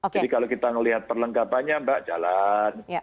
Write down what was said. jadi kalau kita melihat perlengkapannya mbak jalan